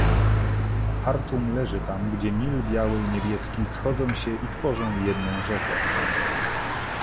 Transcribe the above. - Chartum leży tam, gdzie Nil Biały i Niebieski schodzą się i tworzą jedną rzekę.